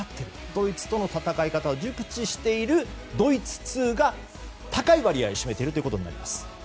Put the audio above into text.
ドイツとの戦い方を熟知しているドイツ通が高い割合を占めているということになります。